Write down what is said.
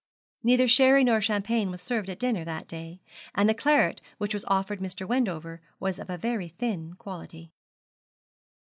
Neither sherry nor champagne was served at dinner that day, and the claret which was offered Mr. Wendover was of a very thin quality.